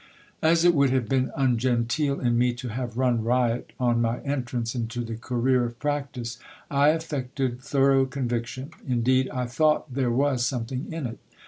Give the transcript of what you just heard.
As it would have been ungenteel in me to have run riot on my entrance into :he career of practice, I affected thorough conviction ; indeed, I thought there vvas something in it.